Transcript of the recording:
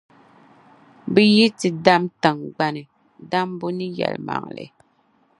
Bɛ yitidam tiŋgbani, dambu ni yεlmaŋli.